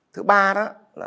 thứ ba đó